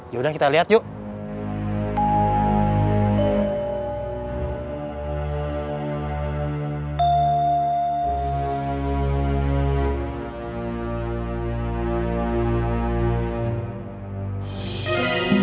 yaudah kita liat yuk